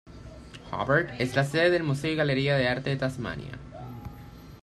Hobart es la sede del Museo y Galería de Arte de Tasmania.